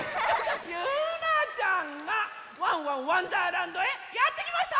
ゆうなちゃんが「ワンワンわんだーらんど」へやってきました！